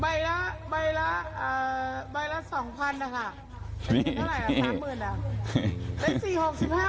ใบละใบละเอ่อใบละสองพันธุ์อ่ะค่ะเป็นเงินเท่าไรอ่ะสามหมื่นอ่ะ